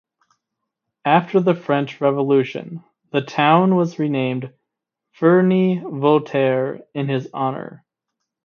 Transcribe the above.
After the French Revolution, the town was renamed "Ferney-Voltaire" in his honor.